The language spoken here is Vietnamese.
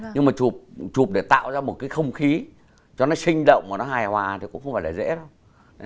nhưng mà chụp để tạo ra một cái không khí cho nó sinh động và nó hài hòa thì cũng không phải là dễ đâu